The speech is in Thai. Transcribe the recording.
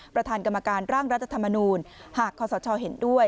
ประธานกรรมการร่างรัฐธรรมนูลหากคอสชเห็นด้วย